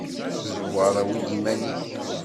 Ẓwer awi-d iman-ik.